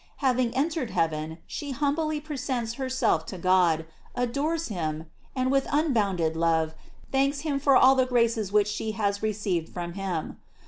Having entered heaven, she humbly presents herself to God, adores him, and, with unbounded love, thanks him for all the graces which she has received from him.